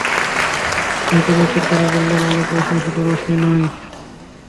Newton নিশ্চিত করে বললেন, আলোক রশ্মি শুধু রশ্মি নয়।